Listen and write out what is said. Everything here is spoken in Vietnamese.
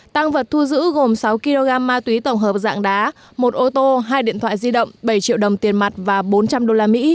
tăng vật thu giữ gồm sáu kg ma túy tổng hợp dạng đá một ô tô hai điện thoại di động bảy triệu đồng tiền mặt và bốn trăm linh usd